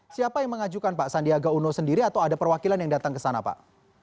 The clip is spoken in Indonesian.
siapa yang mengajukan pak sandiaga uno sendiri atau ada perwakilan yang datang ke sana pak